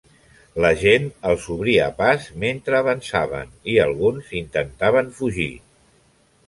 La gent els obria pas mentre avançaven, i alguns intentaven fugir.